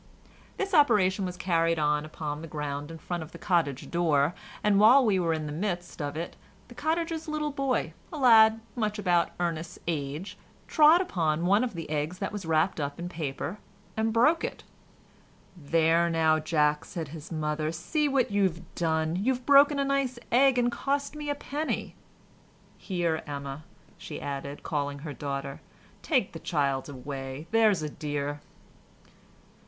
This operation was carried on upon the ground in front of the cottage door, and while we were in the midst of it the cottager's little boy, a lad much about Ernest's age, trod upon one of the eggs that was wrapped up in paper and broke it. "There now, Jack," said his mother, "see what you've done, you've broken a nice egg and cost me a penny—Here, Emma," she added, calling her daughter, "take the child away, there's a dear."